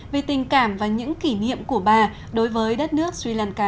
vì tình cảm và những kỷ niệm của bà đối với đất nước sri lanka